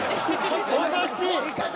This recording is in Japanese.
おかしい！